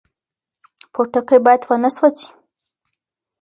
پوټکی باید ونه سوځي.